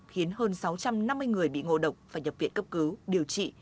hiến hơn sáu trăm năm mươi người bị ngộ độc và nhập viện cấp cứu điều trị